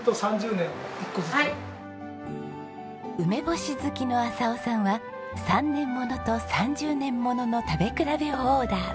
梅干し好きの朝生さんは３年ものと３０年ものの食べ比べをオーダー。